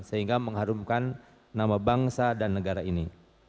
sehingga mengharumkan nama bangsa dan negara ini